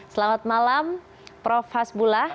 selamat malam prof hasbullah